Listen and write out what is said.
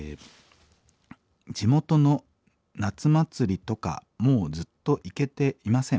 「地元の夏祭りとかもうずっと行けていません。